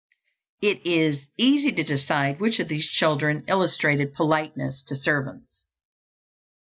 It is easy to decide which of these children illustrated politeness to servants.